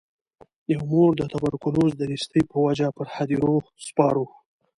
یوه مور د توبرکلوز د نیستۍ په وجه پر هدیرو سپارو.